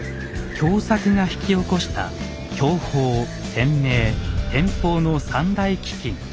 凶作が引き起こした享保・天明・天保の三大飢饉。